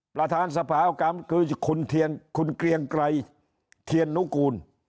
ประธานสภากรรมคือคุณเกรียงไกรเทียนนุกูล